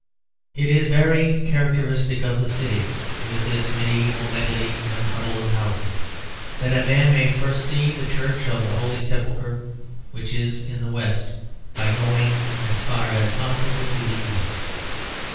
It is very characteristic of the city, with its medieval medley and huddle of houses, that a man may first see the Church of the Holy Sepulchre which is in the west, by going as far as possible to the east.